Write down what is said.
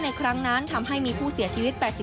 ครั้งนั้นทำให้มีผู้เสียชีวิต๘๐